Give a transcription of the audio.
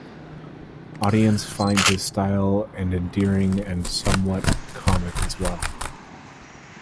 Audience find his style and endearing and somewhat comic as well.